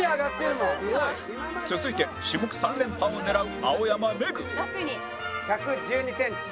続いて種目３連覇を狙う青山めぐ１１２センチ。